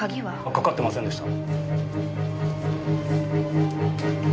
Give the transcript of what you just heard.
かかってませんでした。